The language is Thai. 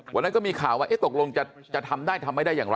วันนั้นก็มีข่าวว่าตกลงจะทำได้ทำไม่ได้อย่างไร